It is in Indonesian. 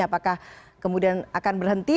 apakah kemudian akan berhenti